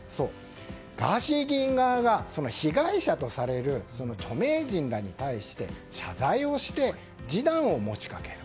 ガーシー議員側が被害者とされる著名人らに対して謝罪をして示談を持ち掛ける。